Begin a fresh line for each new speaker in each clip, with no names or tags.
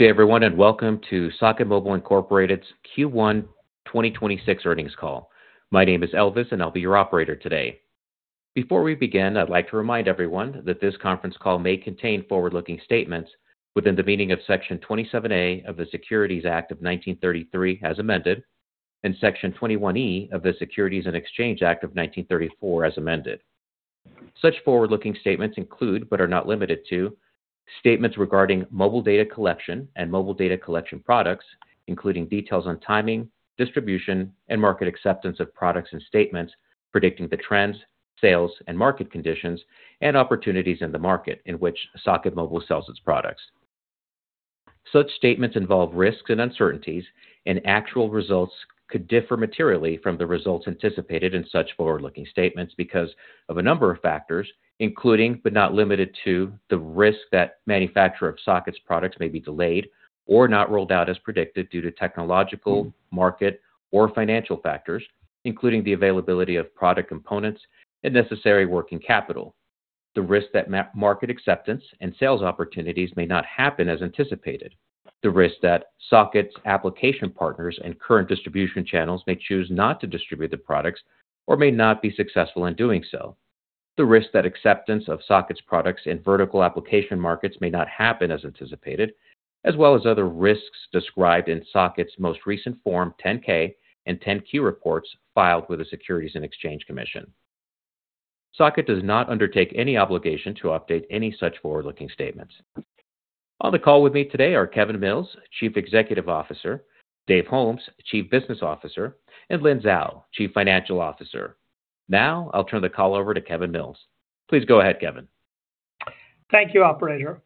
Good day, everyone, and welcome to Socket Mobile Incorporated's Q1 2026 earnings call. My name is Elvis, and I'll be your operator today. Before we begin, I'd like to remind everyone that this conference call may contain forward-looking statements within the meaning of Section 27A of the Securities Act of 1933 as amended, and Section 21E of the Securities Exchange Act of 1934 as amended. Such forward-looking statements include, but are not limited to, statements regarding mobile data collection and mobile data collection products, including details on timing, distribution, and market acceptance of products and statements predicting the trends, sales, and market conditions and opportunities in the market in which Socket Mobile sells its products. Such statements involve risks and uncertainties, and actual results could differ materially from the results anticipated in such forward-looking statements because of a number of factors, including, but not limited to, the risk that manufacturer of Socket's products may be delayed or not rolled out as predicted due to technological, market, or financial factors, including the availability of product components and necessary working capital. The risk that market acceptance and sales opportunities may not happen as anticipated. The risk that Socket's application partners and current distribution channels may choose not to distribute the products or may not be successful in doing so. The risk that acceptance of Socket's products in vertical application markets may not happen as anticipated, as well as other risks described in Socket's most recent Form 10-K and 10-Q reports filed with the Securities and Exchange Commission. Socket does not undertake any obligation to update any such forward-looking statements. On the call with me today are Kevin Mills, Chief Executive Officer, Dave Holmes, Chief Business Officer, and Lynn Zhao, Chief Financial Officer. I'll turn the call over to Kevin Mills. Please go ahead, Kevin.
Thank you, operator.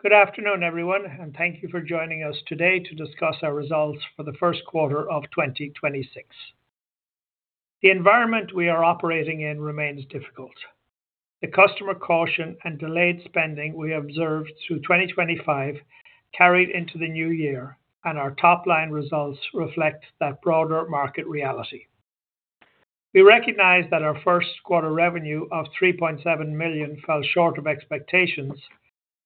Good afternoon, everyone, and thank you for joining us today to discuss our results for the first quarter of 2026. The environment we are operating in remains difficult. The customer caution and delayed spending we observed through 2025 carried into the new year. Our top-line results reflect that broader market reality. We recognize that our first quarter revenue of $3.7 million fell short of expectations,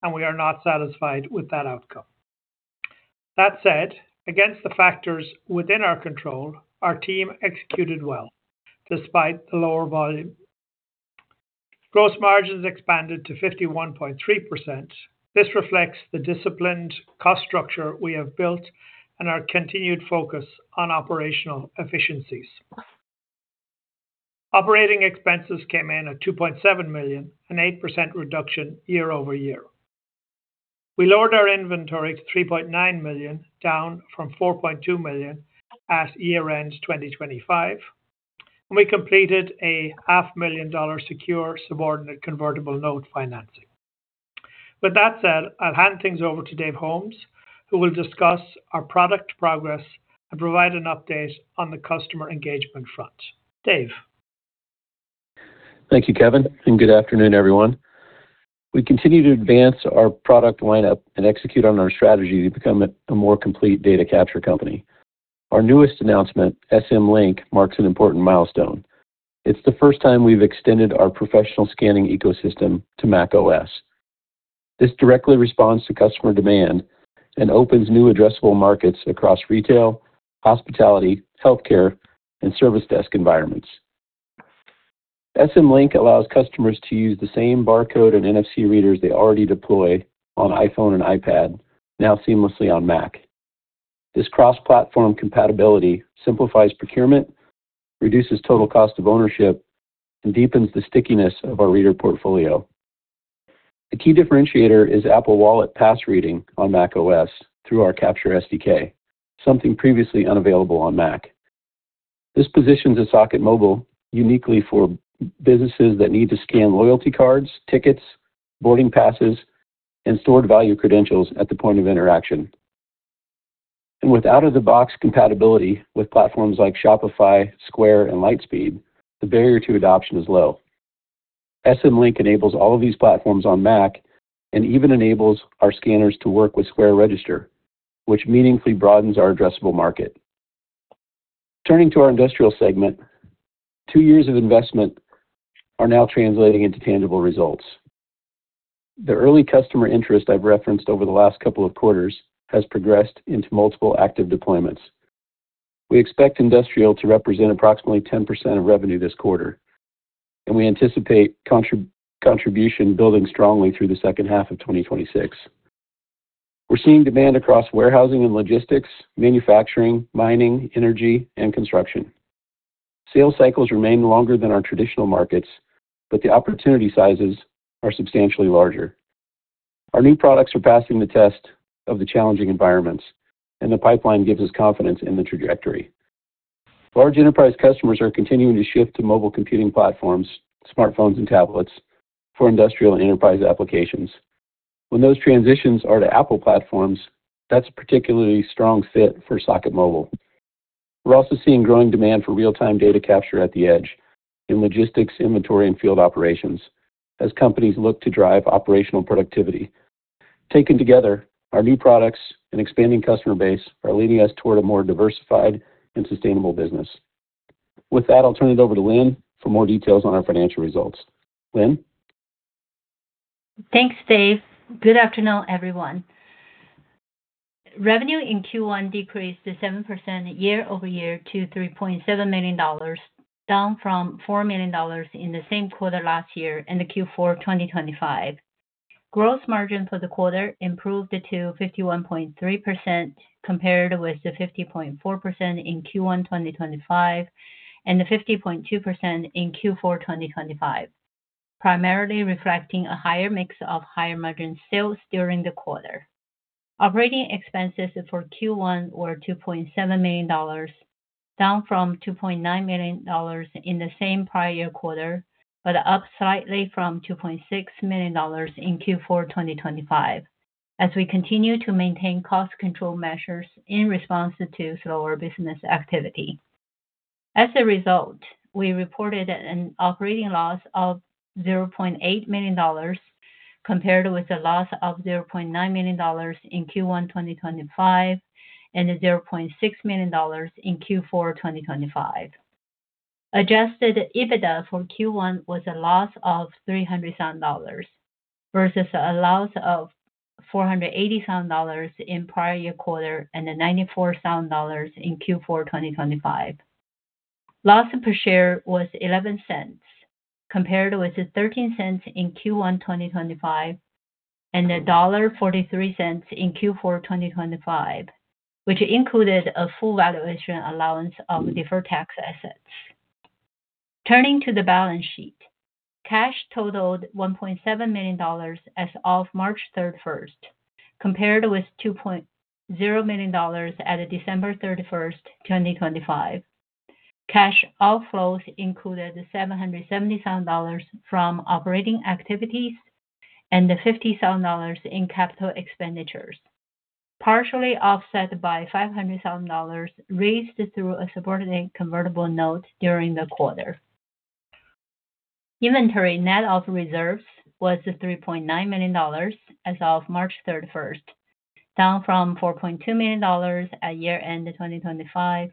and we are not satisfied with that outcome. That said, against the factors within our control, our team executed well despite the lower volume. Gross margins expanded to 51.3%. This reflects the disciplined cost structure we have built and our continued focus on operational efficiencies. Operating expenses came in at $2.7 million, an 8% reduction year-over-year. We lowered our inventory to $3.9 million, down from $4.2 million at year-end 2025, and we completed a half million dollar secure subordinate convertible note financing. With that said, I'll hand things over to Dave Holmes, who will discuss our product progress and provide an update on the customer engagement front. Dave.
Thank you, Kevin, and good afternoon, everyone. We continue to advance our product lineup and execute on our strategy to become a more complete data capture company. Our newest announcement, SM Link, marks an important milestone. It's the first time we've extended our professional scanning ecosystem to macOS. This directly responds to customer demand and opens new addressable markets across retail, hospitality, healthcare, and service desk environments. SM Link allows customers to use the same barcode and NFC readers they already deployed on iPhone and iPad, now seamlessly on Mac. This cross-platform compatibility simplifies procurement, reduces total cost of ownership, and deepens the stickiness of our reader portfolio. The key differentiator is Apple Wallet pass reading on macOS through our CaptureSDK, something previously unavailable on Mac. This positions Socket Mobile uniquely for businesses that need to scan loyalty cards, tickets, boarding passes, and stored value credentials at the point of interaction. With out-of-the-box compatibility with platforms like Shopify, Square, and Lightspeed, the barrier to adoption is low. SM Link enables all of these platforms on Mac and even enables our scanners to work with Square Register, which meaningfully broadens our addressable market. Turning to our industrial segment, two years of investment are now translating into tangible results. The early customer interest I've referenced over the last couple of quarters has progressed into multiple active deployments. We expect industrial to represent approximately 10% of revenue this quarter, and we anticipate contribution building strongly through the second half of 2026. We're seeing demand across warehousing and logistics, manufacturing, mining, energy, and construction. Sales cycles remain longer than our traditional markets, but the opportunity sizes are substantially larger. Our new products are passing the test of the challenging environments, and the pipeline gives us confidence in the trajectory. Large enterprise customers are continuing to shift to mobile computing platforms, smartphones and tablets for industrial and enterprise applications. When those transitions are to Apple platforms, that's a particularly strong fit for Socket Mobile. We're also seeing growing demand for real-time data capture at the edge in logistics, inventory, and field operations as companies look to drive operational productivity. Taken together, our new products and expanding customer base are leading us toward a more diversified and sustainable business. With that, I'll turn it over to Lynn for more details on our financial results. Lynn?
Thanks, Dave. Good afternoon, everyone. Revenue in Q1 decreased to 7% year-over-year to $3.7 million, down from $4 million in the same quarter last year and the Q4 of 2025. Gross margin for the quarter improved to 51.3% compared with the 50.4% in Q1 2025, and the 50.2% in Q4 2025, primarily reflecting a higher mix of higher-margin sales during the quarter. Operating expenses for Q1 were $2.7 million, down from $2.9 million in the same prior year quarter, but up slightly from $2.6 million in Q4 2025 as we continue to maintain cost control measures in response to slower business activity. As a result, we reported an operating loss of $0.8 million compared with a loss of $0.9 million in Q1 2025 and a $0.6 million in Q4 2025. Adjusted EBITDA for Q1 was a loss of $300,000 versus a loss of $480,000 in prior year quarter and $94,000 in Q4 2025. Loss per share was $0.11 compared with $0.13 in Q1 2025 and $1.43 in Q4 2025, which included a full valuation allowance of deferred tax assets. Turning to the balance sheet, cash totaled $1.7 million as of March 31st, compared with $2.0 million at December 31st, 2025. Cash outflows included $770,000 from operating activities and $50,000 in capital expenditures, partially offset by $500,000 raised through a subordinate convertible note during the quarter. Inventory net of reserves was $3.9 million as of March 31st, down from $4.2 million at year-end 2025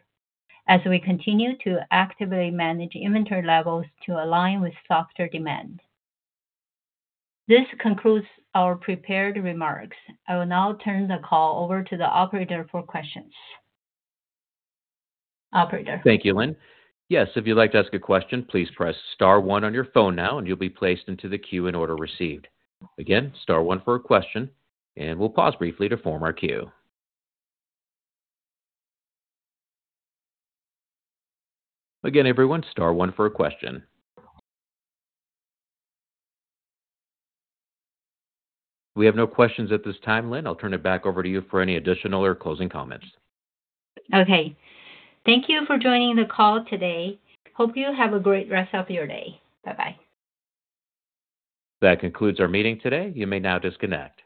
as we continue to actively manage inventory levels to align with softer demand. This concludes our prepared remarks. I will now turn the call over to the operator for questions. Operator?
Thank you, Lynn. Yes. If you'd like to ask a question, please press star one on your phone now, and you'll be placed into the queue in order received. Again, star one for a question, and we'll pause briefly to form our queue. Again, everyone, star one for a question. We have no questions at this time, Lynn. I'll turn it back over to you for any additional or closing comments.
Okay. Thank you for joining the call today. Hope you have a great rest of your day. Bye-bye.
That concludes our meeting today. You may now disconnect.